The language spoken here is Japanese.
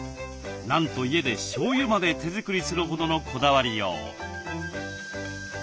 なんと家でしょうゆまで手作りするほどのこだわりよう。